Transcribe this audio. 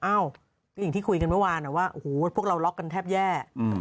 เอ้าก็อย่างที่คุยกันเมื่อวานว่าโอ้โหพวกเราล็อกกันแทบแย่